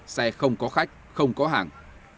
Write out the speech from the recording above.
xe không có khách không có hàng